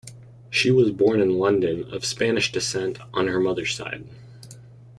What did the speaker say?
She was born in London, of Spanish descent on her mother's side.